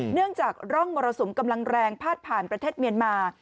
เนื่องจากร่องมรสุมกำลังแรงพาดผ่านประเทศเมียนมา